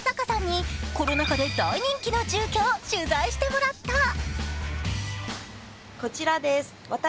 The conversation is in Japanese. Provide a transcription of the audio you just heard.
さんにコロナ禍で大人気の住居を取材してもらった。